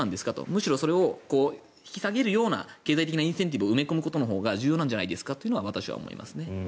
むしろそれを引き下げるような経済的なインセンティブを埋め込むことのほうが重要なんじゃないかと私は思います。